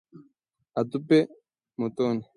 atupwe motoni